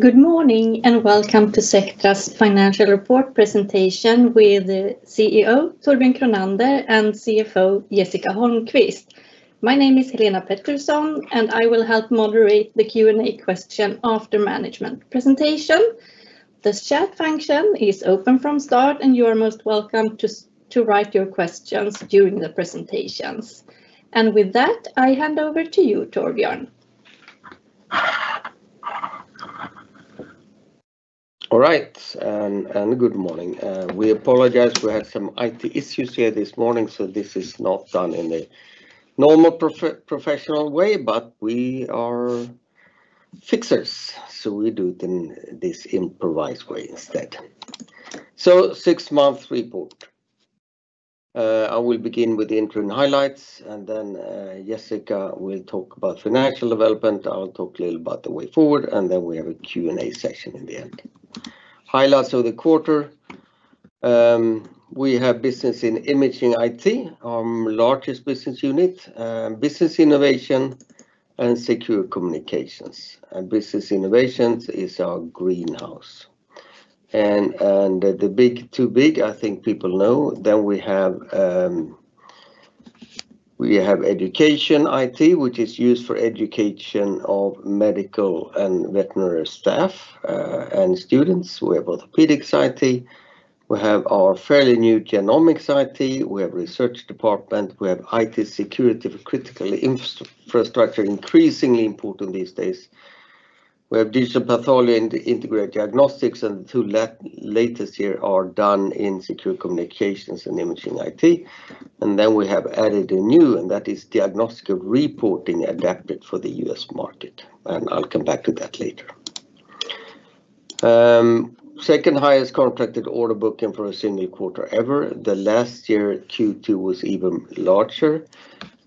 Good morning and welcome to Sectra's financial report presentation with the CEO, Torbjörn Kronander, and CFO, Jessica Holmquist. My name is Helena Pettersson, and I will help moderate the Q&A question after management presentation. The chat function is open from start, and you are most welcome to write your questions during the presentations. And with that, I hand over to you, Torbjörn. All right, and good morning. We apologize for some IT issues here this morning, so this is not done in the normal professional way, but we are fixers, so we do it in this improvised way instead. So, six-month report. I will begin with the interim highlights, and then Jessica will talk about financial development. I'll talk a little about the way forward, and then we have a Q&A session in the end. Highlights of the quarter. We have business in Imaging IT, our largest business unit, Business Innovation, and Secure Communications. And Business Innovation is our greenhouse. And the big two big, I think people know, then we have Education IT, which is used for education of medical and veterinary staff and students. We have Orthopaedics IT. We have our fairly new Genomics IT. We have a research department. We have IT security for critical infrastructure, increasingly important these days. We have digital pathology and integrated diagnostics, and the two latest here are done in Secure Communications and Imaging IT. And then we have added a new, and that is diagnostic reporting adapted for the U.S. market. And I'll come back to that later. Second highest contracted order booking for a single quarter ever. The last year Q2 was even larger,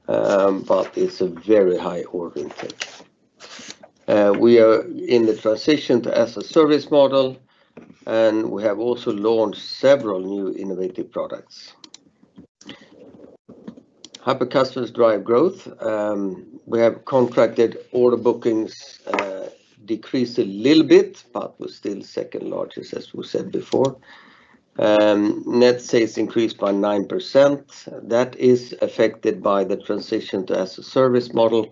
but it's a very high order intake. We are in the transition to as-a-service model, and we have also launched several new innovative products. Hyperscalers drive growth. We have contracted order bookings decreased a little bit, but we're still second largest, as we said before. Net sales increased by 9%. That is affected by the transition to as-a-service model.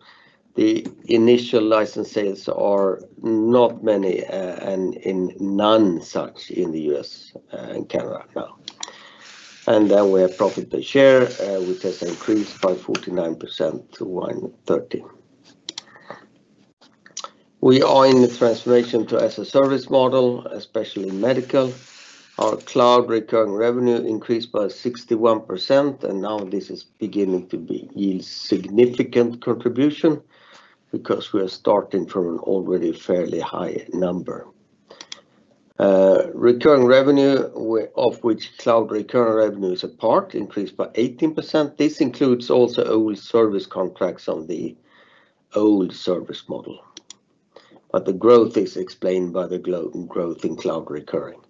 The initial license sales are not many and none such in the U.S. and Canada now. And then we have profit per share, which has increased by 49% to 130%. We are in the transformation to as-a-service model, especially medical. Our cloud recurring revenue increased by 61%, and now this is beginning to yield significant contribution because we are starting from an already fairly high number. Recurring revenue, of which cloud recurring revenue is a part, increased by 18%. This includes also old service contracts on the old service model. But the growth is explained by the growth in cloud recurring.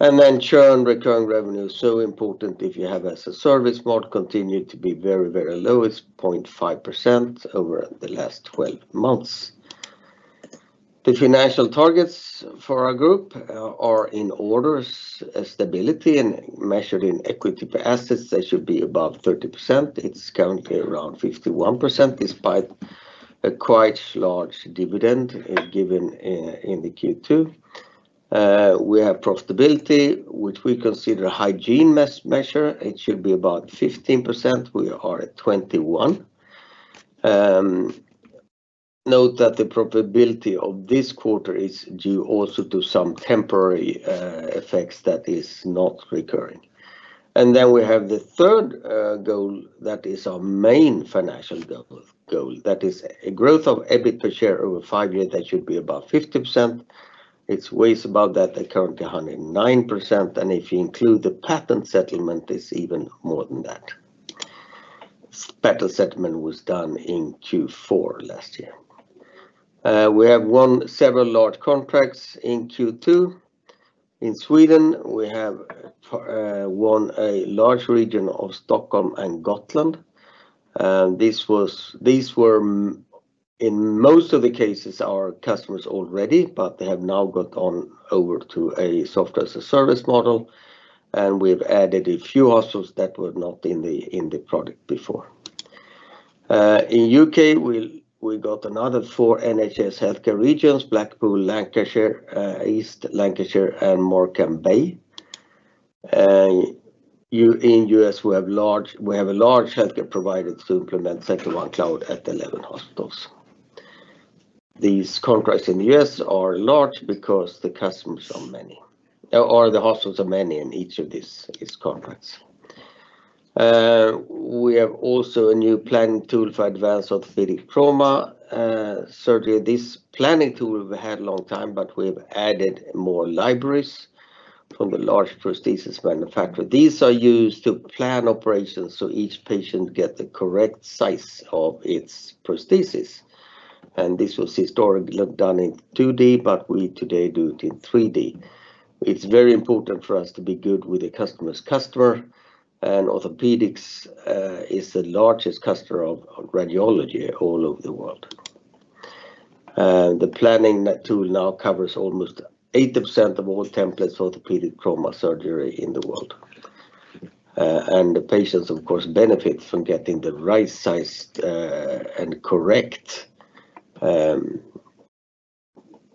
And then churn return revenue is so important if you have as-a-service model continued to be very, very lowest 0.5% over the last 12 months. The financial targets for our group are in order of stability and measured in equity per assets. They should be above 30%. It's currently around 51% despite a quite large dividend given in the Q2. We have profitability, which we consider a hygiene measure. It should be about 15%. We are at 21%. Note that the profitability of this quarter is due also to some temporary effects that is not recurring, and then we have the third goal that is our main financial goal. That is a growth of EBIT per share over five years. That should be about 50%. It's way above that. They're currently 109%, and if you include the patent settlement, it's even more than that. Patent settlement was done in Q4 last year. We have won several large contracts in Q2. In Sweden, we have won a large Region of Stockholm and Gotland. These were, in most of the cases, our customers already, but they have now gone over to a software-as-a-service model, and we've added a few hospitals that were not in the product before. In the U.K., we got another four NHS healthcare regions: Blackpool, Lancashire, East Lancashire, and Morecambe Bay. In the U.S., we have a large healthcare provider to implement Sectra One Cloud at 11 hospitals. These contracts in the U.S. are large because the customers are many. Or the hospitals are many in each of these contracts. We have also a new planning tool for advanced orthopedic trauma surgery. This planning tool we had a long time, but we've added more libraries from the large prosthesis manufacturer. These are used to plan operations so each patient gets the correct size of its prosthesis. And this was historically done in 2D, but we today do it in 3D. It's very important for us to be good with the customer's customer. And orthopedics is the largest customer of radiology all over the world. The planning tool now covers almost 80% of all templates for orthopedic trauma surgery in the world. The patients, of course, benefit from getting the right size and correct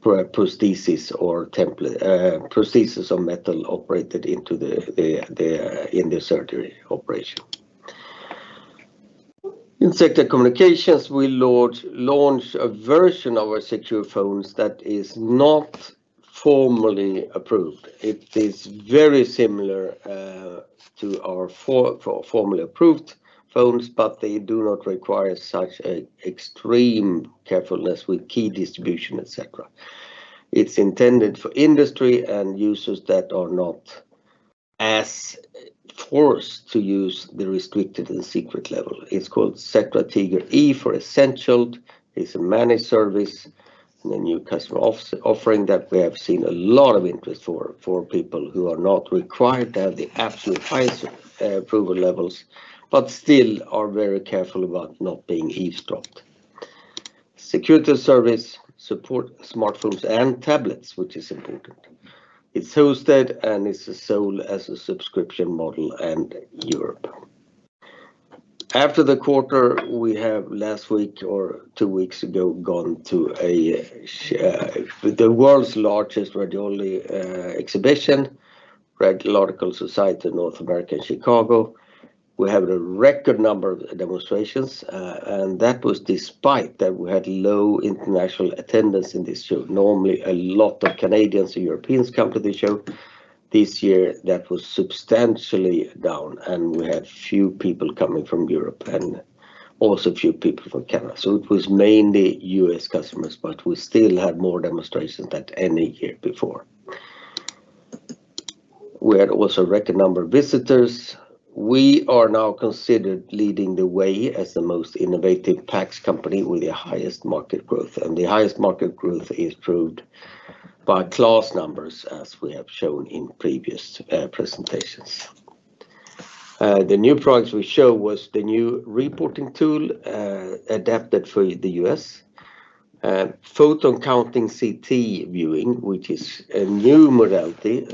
prosthesis or metal operated into the surgery operation. In Sectra Communications, we launched a version of our secure phones that is not formally approved. It is very similar to our formally approved phones, but they do not require such extreme carefulness with key distribution, etc. It's intended for industry and users that are not as forced to use the restricted and secret level. It's called Sectra Tiger/E for essential. It's a managed service and a new customer offering that we have seen a lot of interest for people who are not required to have the absolute highest approval levels but still are very careful about not being eavesdropped. Security service supports smartphones and tablets, which is important. It's hosted and it's sold as a subscription model in Europe. After the quarter, we have last week or two weeks ago gone to the world's largest radiology exhibition, Radiological Society of North America in Chicago. We have a record number of demonstrations, and that was despite that we had low international attendance in this show. Normally, a lot of Canadians and Europeans come to this show. This year, that was substantially down, and we had few people coming from Europe and also few people from Canada. It was mainly U.S. customers, but we still had more demonstrations than any year before. We had also a record number of visitors. We are now considered leading the way as the most innovative PACS company with the highest market growth, and the highest market growth is proved by class numbers, as we have shown in previous presentations. The new products we show was the new reporting tool adapted for the U.S., photon-counting CT viewing, which is a new modality,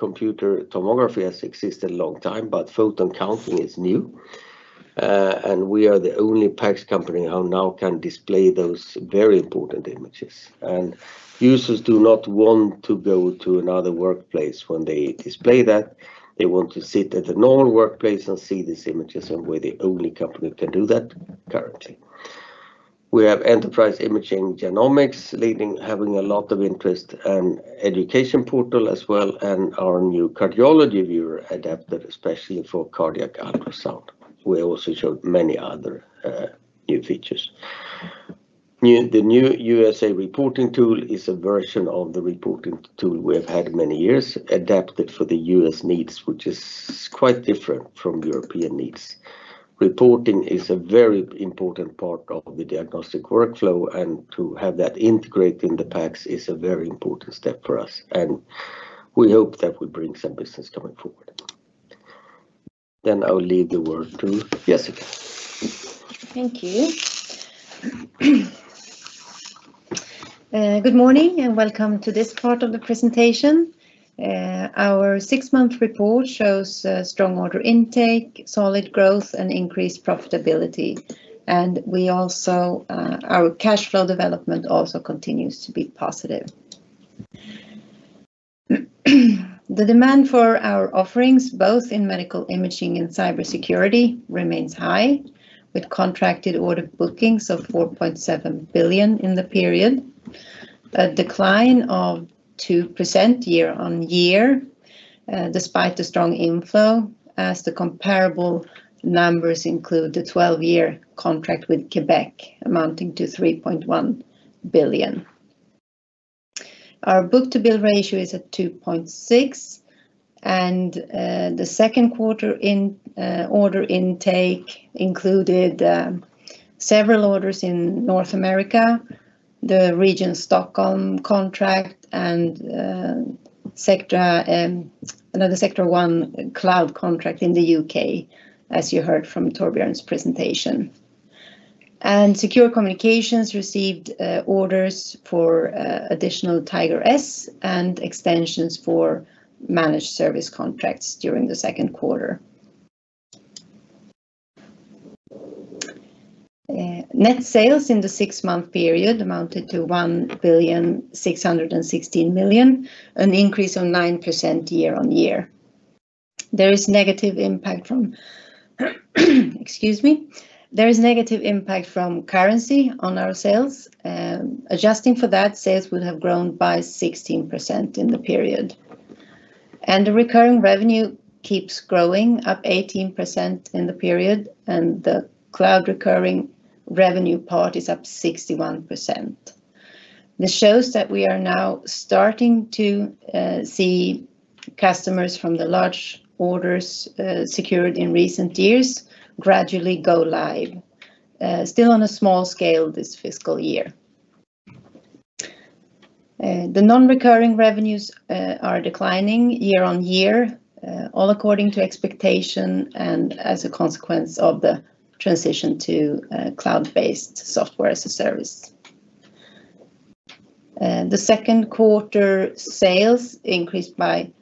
so computer tomography has existed a long time, but photon-counting is new, and we are the only PACS company who now can display those very important images, and users do not want to go to another workplace when they display that. They want to sit at a normal workplace and see these images, and we're the only company that can do that currently. We have enterprise imaging genomics, having a lot of interest, and education portal as well, and our new cardiology viewer adapted, especially for cardiac ultrasound. We also showed many other new features. The new U.S. reporting tool is a version of the reporting tool we have had many years, adapted for the U.S. needs, which is quite different from European needs. Reporting is a very important part of the diagnostic workflow. And to have that integrated in the PACS is a very important step for us. And we hope that will bring some business coming forward. Then I'll leave the floor to Jessica. Thank you. Good morning and welcome to this part of the presentation. Our six-month report shows strong order intake, solid growth, and increased profitability. And our cash flow development also continues to be positive. The demand for our offerings, both in medical imaging and cybersecurity, remains high, with contracted order bookings of 4.7 billion in the period, a decline of 2% year-on-year despite the strong inflow, as the comparable numbers include the 12-year contract with Quebec amounting to 3.1 billion. Our book-to-bill ratio is at 2.6. And the second quarter order intake included several orders in North America, the Region Stockholm contract, and another Sectra One Cloud contract in the U.K., as you heard from Torbjörn's presentation. And Secure Communications received orders for additional Tiger/S and extensions for managed service contracts during the second quarter. Net sales in the six-month period amounted to 1.616 billion, an increase of 9% year-on-year. There is negative impact from currency on our sales. Adjusting for that, sales would have grown by 16% in the period. And the recurring revenue keeps growing, up 18% in the period. And the cloud recurring revenue part is up 61%. This shows that we are now starting to see customers from the large orders secured in recent years gradually go live, still on a small scale this fiscal year. The non-recurring revenues are declining year on year, all according to expectation and as a consequence of the transition to cloud-based software as a service. The second quarter sales increased by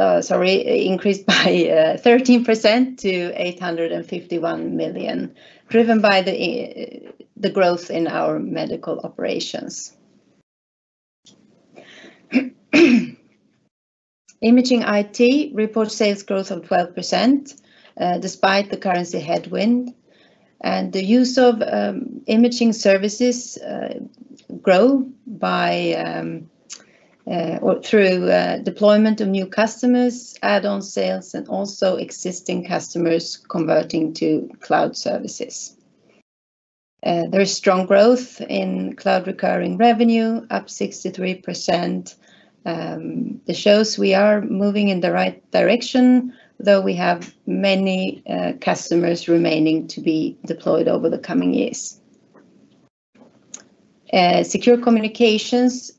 13% to 851 million, driven by the growth in our medical operations. Imaging IT reports sales growth of 12% despite the currency headwind. The use of imaging services grows through deployment of new customers, add-on sales, and also existing customers converting to cloud services. There is strong growth in cloud recurring revenue, up 63%. This shows we are moving in the right direction, though we have many customers remaining to be deployed over the coming years. Secure Communications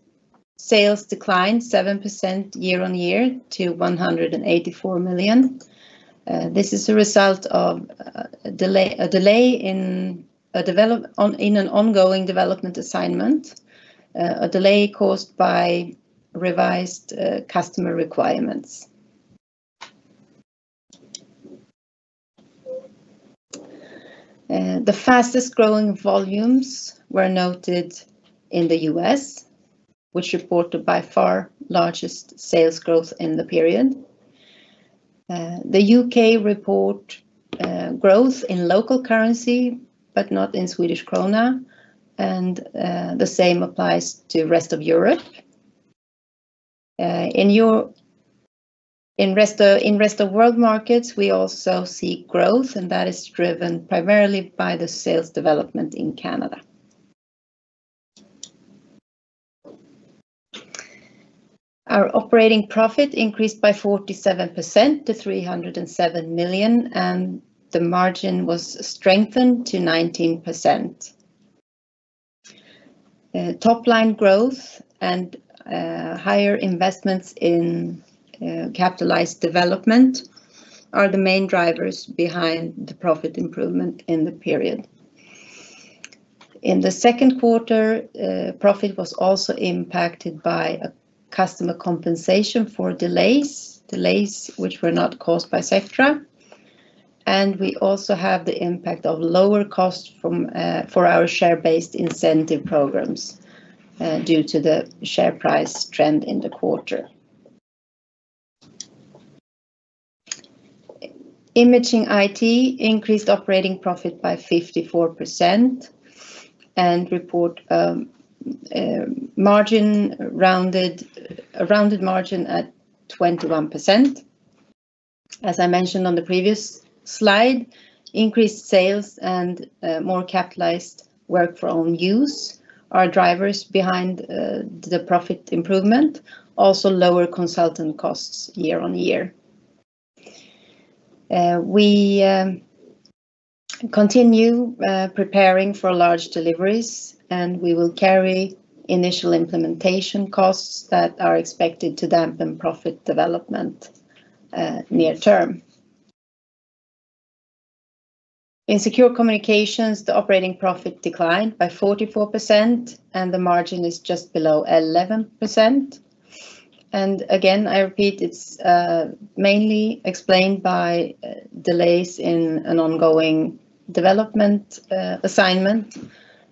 sales declined 7% year-on-year to 184 million. This is a result of a delay in an ongoing development assignment, a delay caused by revised customer requirements. The fastest growing volumes were noted in the U.S., which reported by far largest sales growth in the period. The U.K. reports growth in local currency, but not in Swedish krona, and the same applies to the rest of Europe. In rest of world markets, we also see growth, and that is driven primarily by the sales development in Canada. Our operating profit increased by 47% to 307 million, and the margin was strengthened to 19%. Top-line growth and higher investments in capitalized development are the main drivers behind the profit improvement in the period. In the second quarter, profit was also impacted by customer compensation for delays, delays which were not caused by Sectra. And we also have the impact of lower costs for our share-based incentive programs due to the share price trend in the quarter. Imaging IT increased operating profit by 54% and reported rounded margin at 21%. As I mentioned on the previous slide, increased sales and more capitalized work for own use are drivers behind the profit improvement, also lower consultant costs year on year. We continue preparing for large deliveries, and we will carry initial implementation costs that are expected to dampen profit development near term. In Secure Communications, the operating profit declined by 44%, and the margin is just below 11%. And again, I repeat, it's mainly explained by delays in an ongoing development assignment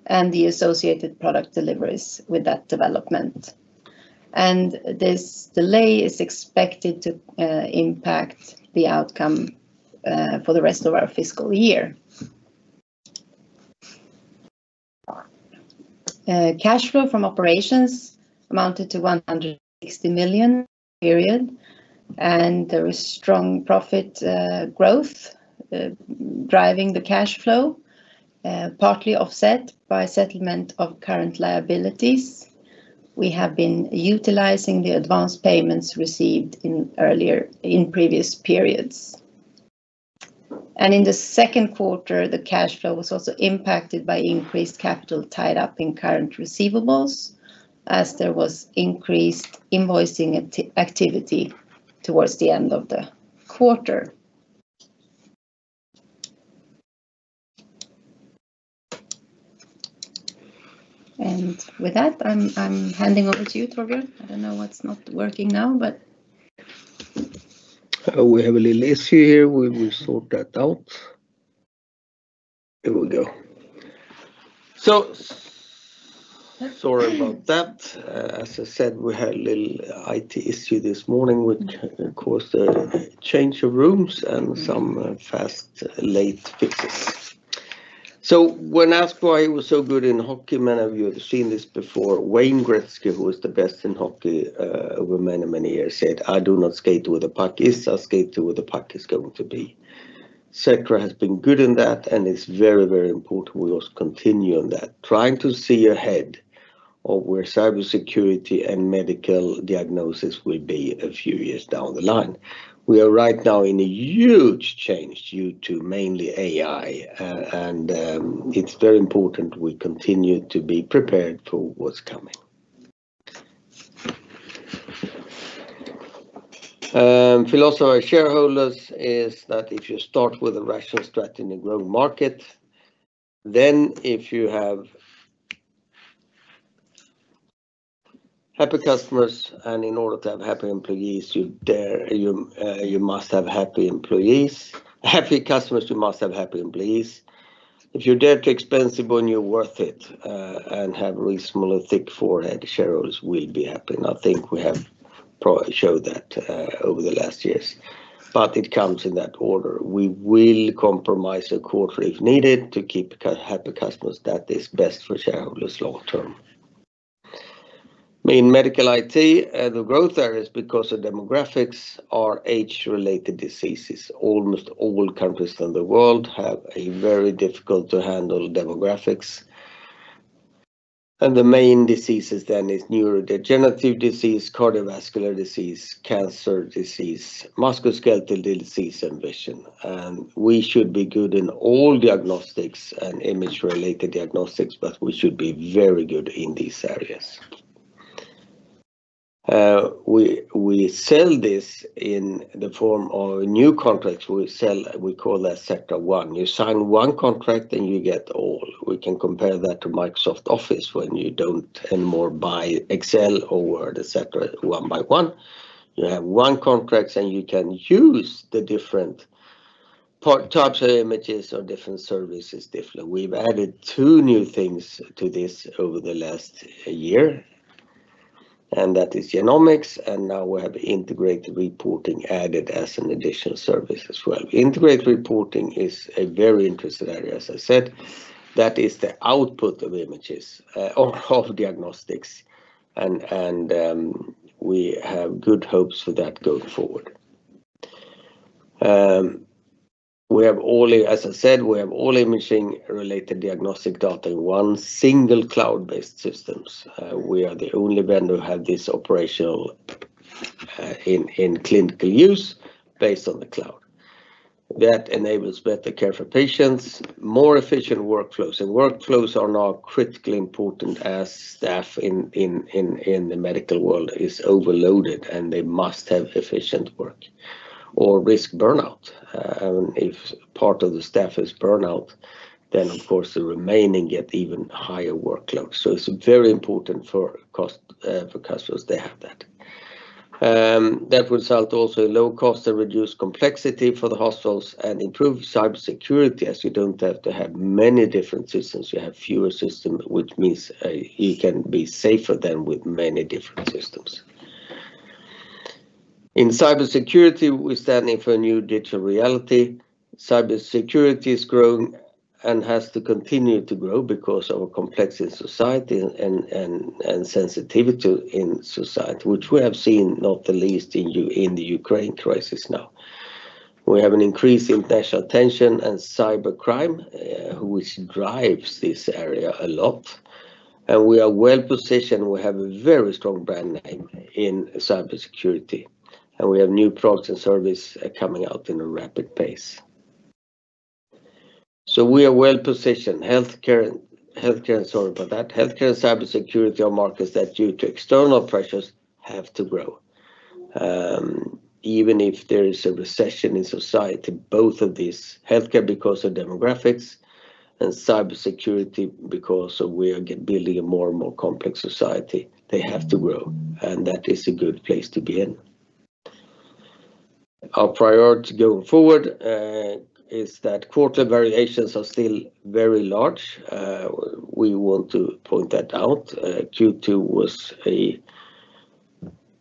and the associated product deliveries with that development. And this delay is expected to impact the outcome for the rest of our fiscal year. Cash flow from operations amounted to 160 million period, and there was strong profit growth driving the cash flow, partly offset by settlement of current liabilities. We have been utilizing the advance payments received in previous periods. And in the second quarter, the cash flow was also impacted by increased capital tied up in current receivables, as there was increased invoicing activity towards the end of the quarter. And with that, I'm handing over to you, Torbjörn. I don't know what's not working now, but. We have a little issue here. We will sort that out. There we go. So sorry about that. As I said, we had a little IT issue this morning, which caused a change of rooms and some fast, late fixes. So when asked why he was so good in hockey, many of you have seen this before, Wayne Gretzky, who was the best in hockey over many, many years, said, "I do not skate where the puck is. I skate where the puck is going to be." Sectra has been good in that, and it's very, very important we also continue on that, trying to see ahead of where cybersecurity and medical diagnosis will be a few years down the line. We are right now in a huge change due to mainly AI, and it's very important we continue to be prepared for what's coming. philosophy of shareholders is that if you start with a rational strategy in a growing market, then to have happy customers, and in order to have happy customers, you must have happy employees. If you do it right and it's expensive, and you're worth it and have reasonable, thick margins, shareholders will be happy. I think we have shown that over the last years. But it comes in that order. We will compromise a quarter if needed to keep happy customers. That is best for shareholders' long term. I mean, in medical IT, the growth there is because of demographics and age-related diseases. Almost all countries in the world have very difficult-to-handle demographics. The main diseases then are neurodegenerative disease, cardiovascular disease, cancer disease, musculoskeletal disease, and vision. And we should be good in all diagnostics and image-related diagnostics, but we should be very good in these areas. We sell this in the form of new contracts. We call that Sectra One. You sign one contract, and you get all. We can compare that to Microsoft Office when you don't anymore buy Excel, or Word, etc., one by one. You have one contract, and you can use the different types of images or different services differently. We've added two new things to this over the last year, and that is genomics. And now we have integrated reporting added as an additional service as well. Integrated reporting is a very interesting area, as I said. That is the output of images or of diagnostics. And we have good hopes for that going forward. As I said, we have all imaging-related diagnostic data in one single cloud-based system. We are the only vendor who has this operational in clinical use based on the cloud. That enables better care for patients, more efficient workflows, and workflows are now critically important as staff in the medical world is overloaded, and they must have efficient work or risk burnout. If part of the staff is burnout, then, of course, the remaining get even higher workload, so it's very important for customers to have that. That would result also in low cost and reduced complexity for the hospitals and improved cybersecurity, as you don't have to have many different systems. You have fewer systems, which means you can be safer than with many different systems. In cybersecurity, we're standing for a new digital reality. Cybersecurity is growing and has to continue to grow because of a complexity in society and sensitivity in society, which we have seen not the least in the Ukraine crisis now. We have an increase in national tension and cybercrime, which drives this area a lot. And we are well positioned. We have a very strong brand name in cybersecurity. And we have new products and services coming out in a rapid pace. So, we are well positioned. Healthcare and, sorry about that, healthcare and cybersecurity are markets that, due to external pressures, have to grow. Even if there is a recession in society, both of these, healthcare because of demographics and cybersecurity because we are building a more and more complex society, they have to grow. And that is a good place to be in. Our priorities going forward are that quarter variations are still very large. We want to point that out. Q2 was a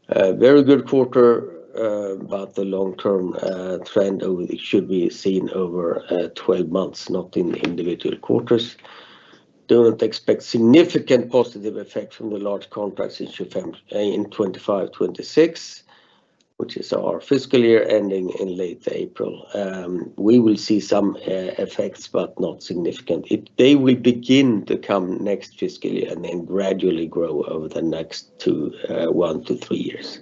very good quarter, but the long-term trend should be seen over 12 months, not in individual quarters. Don't expect significant positive effects from the large contracts in 2025, 2026, which is our fiscal year ending in late April. We will see some effects, but not significant. They will begin to come next fiscal year and then gradually grow over the next one to three years.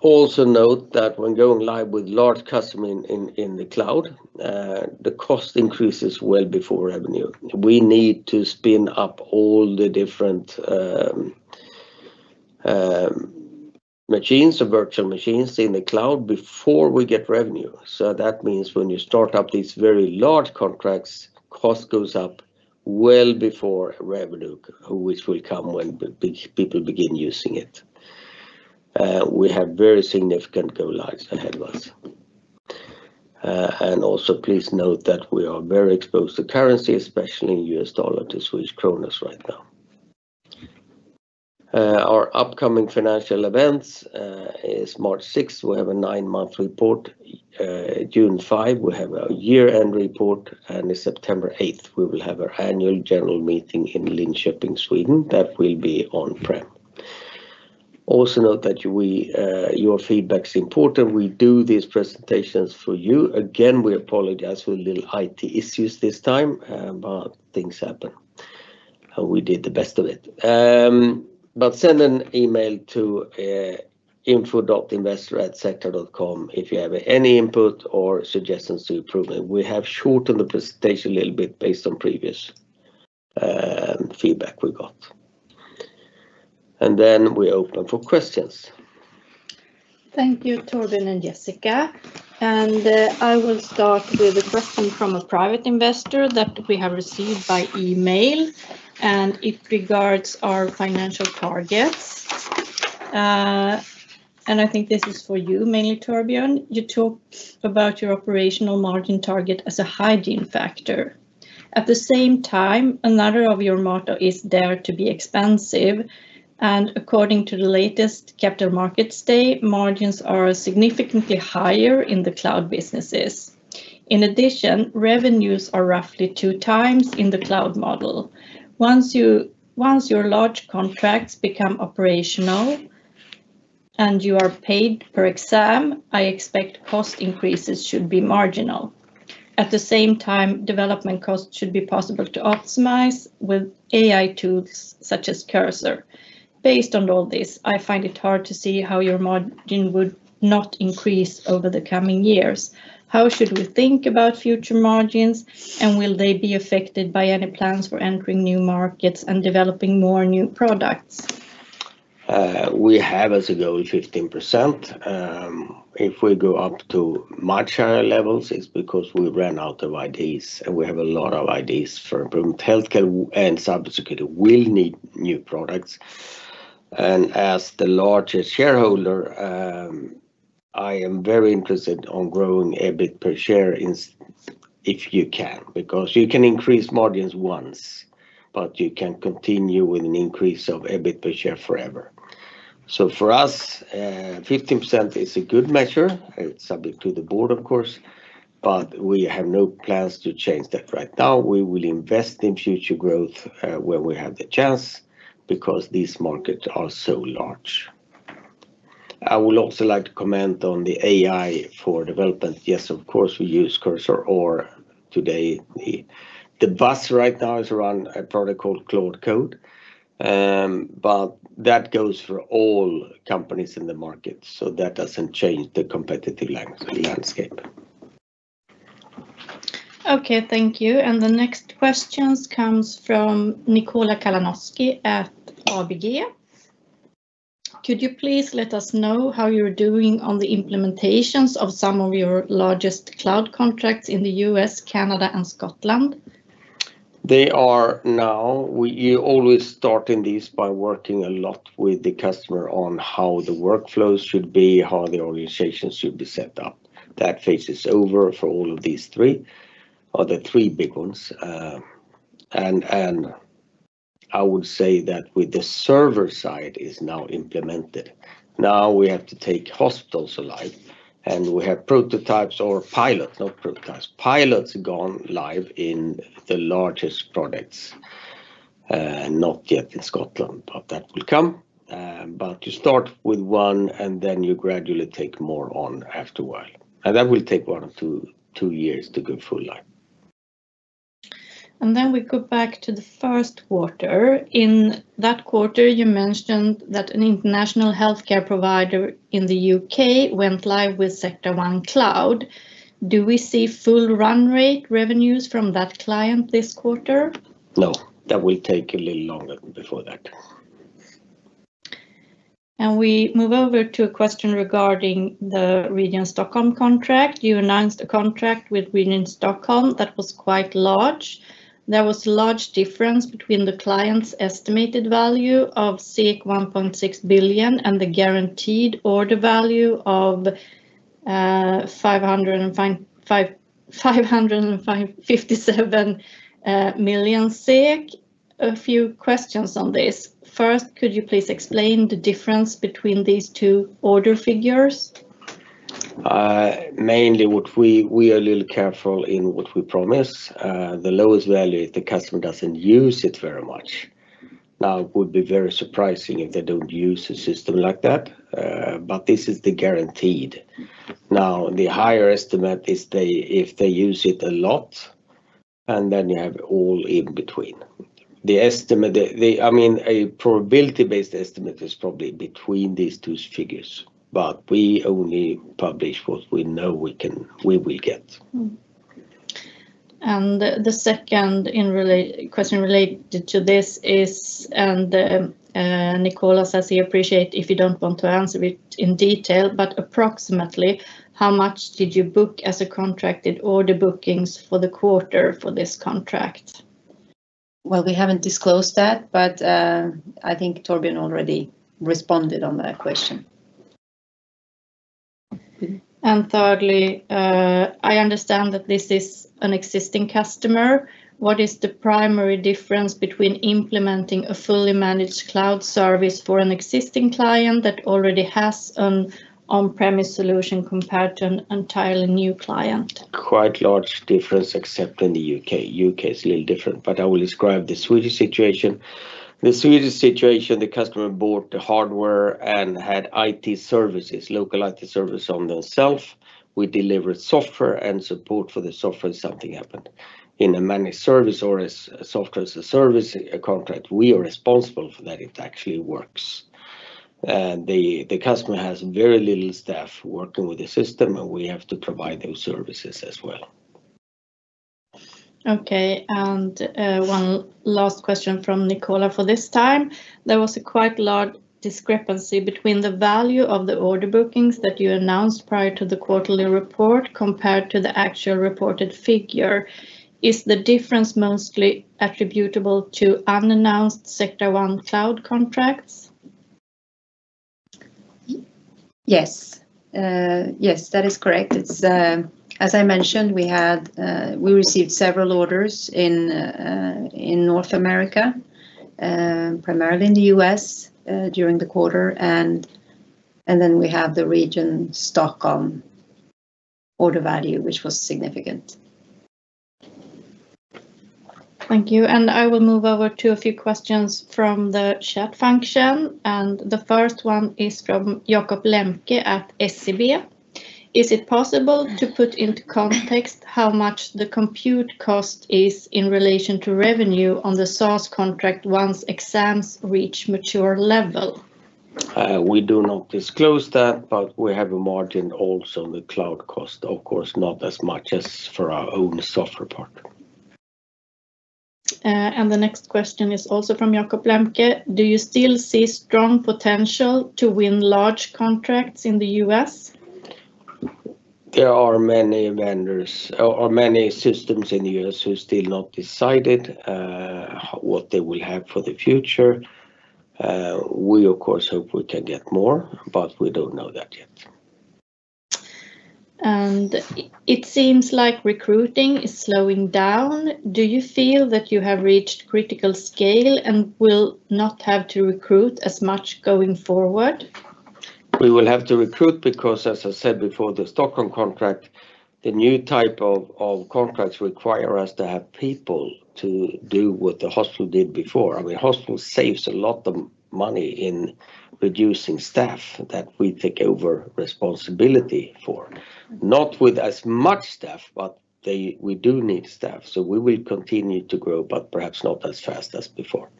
Also note that when going live with large customers in the cloud, the cost increases well before revenue. We need to spin up all the different machines or virtual machines in the cloud before we get revenue. So that means when you start up these very large contracts, cost goes up well before revenue, which will come when people begin using it. We have very significant go-lives ahead of us. Also, please note that we are very exposed to currency, especially U.S. dollar to Swedish krona right now. Our upcoming financial events are March 6th. We have a nine-month report. June 5, we have a year-end report. On September 8th, we will have our annual general meeting in Linköping, Sweden. That will be on-prem. Also note that your feedback is important. We do these presentations for you. Again, we apologize for little IT issues this time, but things happen. We did the best of it. Send an email to info.investor@sectra.com if you have any input or suggestions for improvement. We have shortened the presentation a little bit based on previous feedback we got. Then we open for questions. Thank you, Torbjörn and Jessica. I will start with a question from a private investor that we have received by email. It regards our financial targets. I think this is for you, mainly Torbjörn. You talked about your operational margin target as a hygiene factor. At the same time, another of your motto is dare to be expensive. According to the latest Capital Markets Day, margins are significantly higher in the cloud businesses. In addition, revenues are roughly two times in the cloud model. Once your large contracts become operational and you are paid per exam, I expect cost increases should be marginal. At the same time, development costs should be possible to optimize with AI tools such as Cursor. Based on all this, I find it hard to see how your margin would not increase over the coming years. How should we think about future margins, and will they be affected by any plans for entering new markets and developing more new products? We have, as a goal, 15%. If we go up to much higher levels, it's because we ran out of ideas, and we have a lot of ideas for improvement. Healthcare and cybersecurity will need new products, and as the largest shareholder, I am very interested in growing EBIT per share if you can, because you can increase margins once, but you can't continue with an increase of EBIT per share forever, so for us, 15% is a good measure. It's subject to the board, of course, but we have no plans to change that right now. We will invest in future growth when we have the chance because these markets are so large. I would also like to comment on the AI for development. Yes, of course, we use Cursor today. The buzz right now is around a product called Claude Code. But that goes for all companies in the market. So that doesn't change the competitive landscape. Okay, thank you. And the next question comes from Nikola Kalanoski at ABG. Could you please let us know how you're doing on the implementations of some of your largest cloud contracts in the U.S., Canada, and Scotland? They are now. You always start in these by working a lot with the customer on how the workflows should be, how the organization should be set up. That phase is over for all of these three, or the three big ones, and I would say that the server side is now implemented. Now we have to take hospitals live, and we have prototypes or pilots, not prototypes, pilots gone live in the largest hospitals, not yet in Scotland, but that will come, but you start with one, and then you gradually take more on after a while, and that will take one or two years to go fully live. And then we go back to the first quarter. In that quarter, you mentioned that an international healthcare provider in the U.K. went live with Sectra One Cloud. Do we see full run rate revenues from that client this quarter? No. That will take a little longer before that. We move over to a question regarding the Region Stockholm contract. You announced a contract with Region Stockholm that was quite large. There was a large difference between the client's estimated value of 1.6 billion and the guaranteed order value of 557 million. A few questions on this. First, could you please explain the difference between these two order figures? Mainly, we are a little careful in what we promise. The lowest value, the customer doesn't use it very much. Now, it would be very surprising if they don't use a system like that. But this is the guaranteed. Now, the higher estimate is if they use it a lot. And then you have all in between. I mean, a probability-based estimate is probably between these two figures. But we only publish what we know we will get. The second question related to this is, and Nikola says he appreciates if you don't want to answer it in detail, but approximately how much did you book as a contracted order bookings for the quarter for this contract? We haven't disclosed that, but I think Torbjörn already responded on that question. Thirdly, I understand that this is an existing customer. What is the primary difference between implementing a fully managed cloud service for an existing client that already has an on-premise solution compared to an entirely new client? Quite large difference, except in the U.K. The U.K. is a little different, but I will describe the Swedish situation. The Swedish situation, the customer bought the hardware and had local IT service on themselves. We delivered software and support for the software if something happened. In a managed service or as software as a service contract, we are responsible for that. It actually works, and the customer has very little staff working with the system, and we have to provide those services as well. Okay, and one last question from Nikola for this time. There was a quite large discrepancy between the value of the order bookings that you announced prior to the quarterly report compared to the actual reported figure. Is the difference mostly attributable to unannounced Sectra One Cloud contracts? Yes. Yes, that is correct. As I mentioned, we received several orders in North America, primarily in the U.S. during the quarter. And then we have the Region Stockholm order value, which was significant. Thank you. And I will move over to a few questions from the chat function. And the first one is from Jakob Lemke at SEB. Is it possible to put into context how much the compute cost is in relation to revenue on the SaaS contract once exams reach mature level? We do not disclose that, but we have a margin also on the cloud cost. Of course, not as much as for our own software part. The next question is also from Jakob Lemke. Do you still see strong potential to win large contracts in the U.S.? There are many vendors or many systems in the U.S. who still have not decided what they will have for the future. We, of course, hope we can get more, but we don't know that yet. It seems like recruiting is slowing down. Do you feel that you have reached critical scale and will not have to recruit as much going forward? We will have to recruit because, as I said before, the Stockholm contract, the new type of contracts require us to have people to do what the hospital did before. I mean, the hospital saves a lot of money in reducing staff that we take over responsibility for. Not with as much staff, but we do need staff. So we will continue to grow, but perhaps not as fast as before.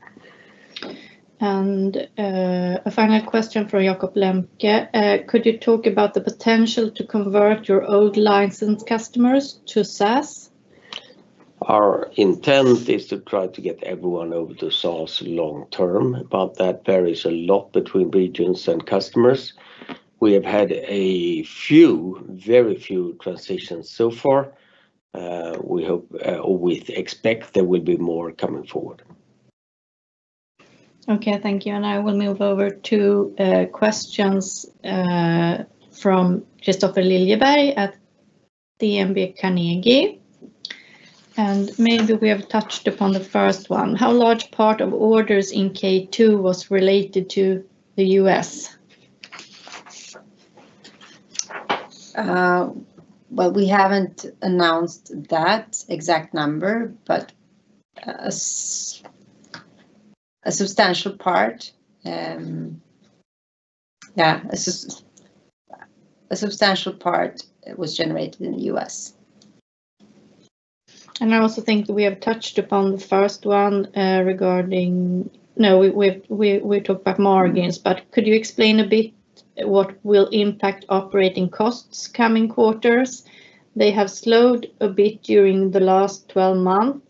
A final question for Jakob Lemke. Could you talk about the potential to convert your old licensed customers to SaaS? Our intent is to try to get everyone over to SaaS long-term. But that varies a lot between regions and customers. We have had a few, very few transitions so far. We expect there will be more coming forward. Okay, thank you. I will move over to questions from Kristofer Liljeberg at DNB Carnegie. Maybe we have touched upon the first one. How large part of orders in Q2 was related to the U.S.? We haven't announced that exact number, but a substantial part, yeah, a substantial part was generated in the U.S. I also think we have touched upon the first one regarding no, we talked about margins, but could you explain a bit what will impact operating costs coming quarters? They have slowed a bit during the last 12 months.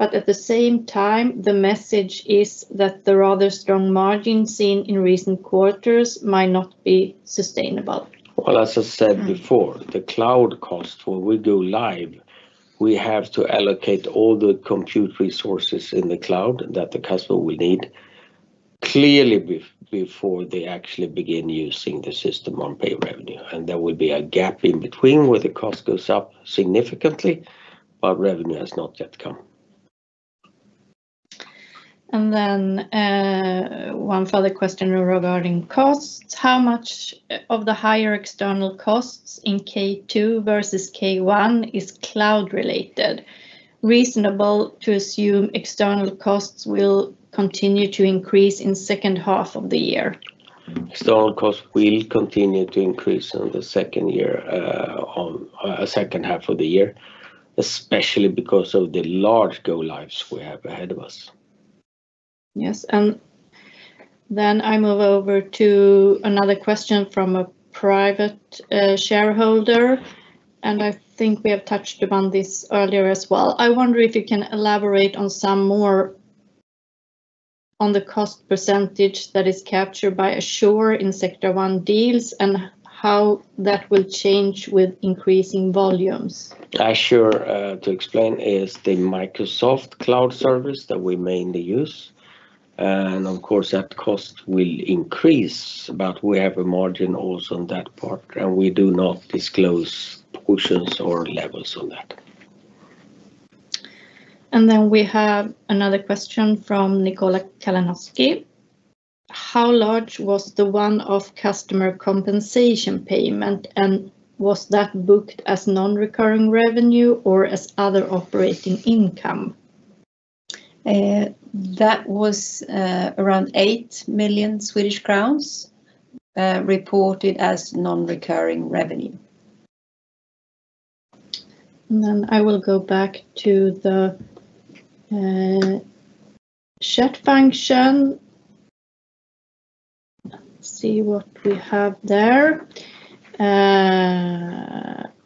At the same time, the message is that the rather strong margins seen in recent quarters might not be sustainable. As I said before, the cloud cost—what we do is, we have to allocate all the compute resources in the cloud that the customer will need clearly before they actually begin using the system on pay revenue. There will be a gap in between where the cost goes up significantly, but revenue has not yet come. And then one further question regarding costs. How much of the higher external costs in K2 versus K1 is cloud-related? Reasonable to assume external costs will continue to increase in the second half of the year? External costs will continue to increase in the second year, second half of the year, especially because of the large go-lives we have ahead of us. Yes. And then I move over to another question from a private shareholder. And I think we have touched upon this earlier as well. I wonder if you can elaborate on some more on the cost percentage that is captured by Azure in Sectra One deals and how that will change with increasing volumes. Azure, to explain, is the Microsoft Cloud service that we mainly use. Of course, that cost will increase, but we have a margin also on that part. We do not disclose portions or levels on that. And then we have another question from Nikola Kalanoski. How large was the one-off customer compensation payment? And was that booked as non-recurring revenue or as other operating income? That was around 8 million Swedish crowns reported as non-recurring revenue. Then I will go back to the chat function. Let's see what we have there.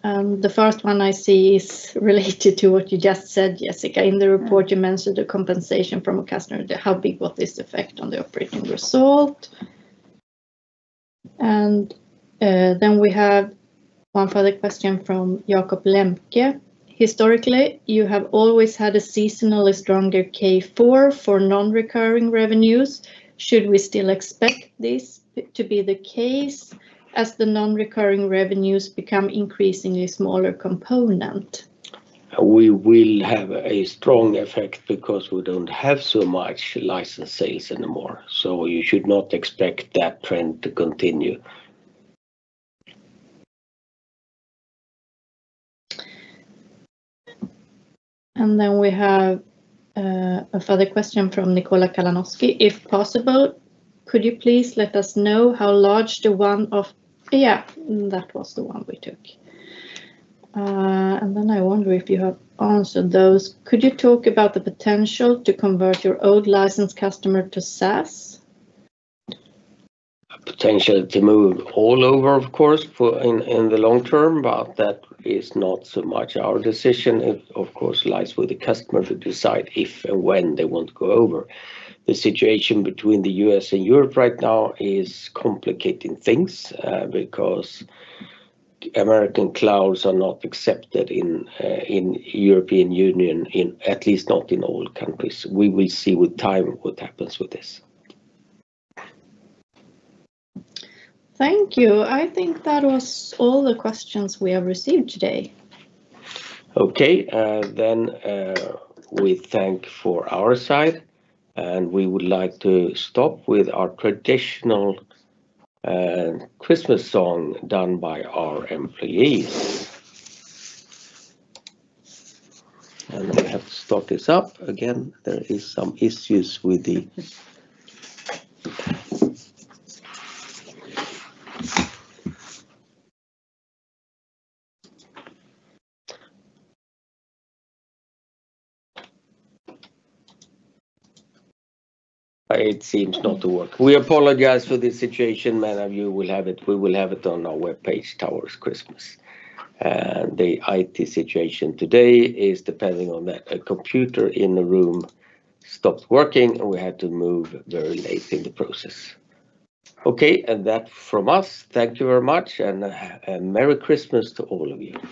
The first one I see is related to what you just said, Jessica. In the report, you mentioned the compensation from a customer. How big was this effect on the operating result? Then we have one further question from Jakob Lemke. Historically, you have always had a seasonally stronger K4 for non-recurring revenues. Should we still expect this to be the case as the non-recurring revenues become increasingly smaller component? We will have a strong effect because we don't have so much license sales anymore. So you should not expect that trend to continue. And then we have a further question from Nikola Kalanoski. If possible, could you please let us know how large the one-off yeah, that was the one we took. And then I wonder if you have answered those. Could you talk about the potential to convert your old licensed customer to SaaS? Potential to move all over, of course, in the long term, but that is not so much our decision. It, of course, lies with the customer to decide if and when they want to go over. The situation between the U.S. and Europe right now is complicating things because American clouds are not accepted in the European Union, at least not in all countries. We will see with time what happens with this. Thank you. I think that was all the questions we have received today. Okay. Then we thank for our side, and we would like to stop with our traditional Christmas song done by our employees. I have to start this up again. There are some issues with it. It seems not to work. We apologize for this situation. Many of you will have it. We will have it on our webpage, Sectra's Christmas. The IT situation today is depending on that a computer in the room stopped working, and we had to move very late in the process. Okay, and that from us. Thank you very much, and Merry Christmas to all of you.